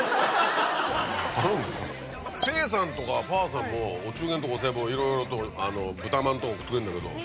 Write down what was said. ペーさんとかパー子さんもお中元とかお歳暮いろいろと豚まんとか送ってくれるんだけど。